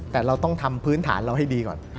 แต่เราต้องทำพื้นฐานเราให้ดีก่อน